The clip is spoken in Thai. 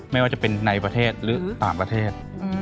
ไม่ว่าจะเป็นในประเทศหรือต่างประเทศ